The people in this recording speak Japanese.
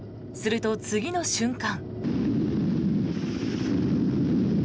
すると、次の瞬間。